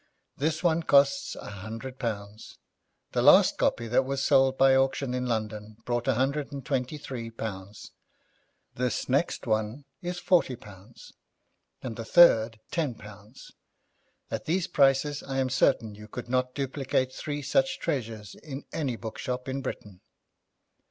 This one costs a hundred pounds. The last copy that was sold by auction in London brought a hundred and twenty three pounds. This next one is forty pounds, and the third ten pounds. At these prices I am certain you could not duplicate three such treasures in any book shop in Britain.'